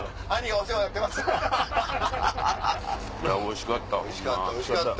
おいしかった！